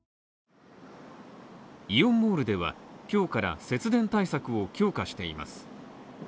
イオンモールでは、今日から節電対策を強化しています。